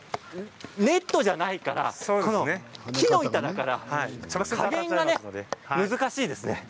ネットじゃないから木の板だから、加減がね難しいですね。